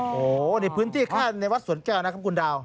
โอ้โหนี่พื้นที่ค่าในวัดสวนแก้วนะครับคุณดาว